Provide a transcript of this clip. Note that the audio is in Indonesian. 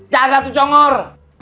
jaga tuh congor